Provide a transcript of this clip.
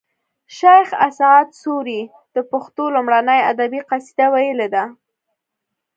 شیخ اسعد سوري د پښتو لومړنۍ ادبي قصیده ویلې ده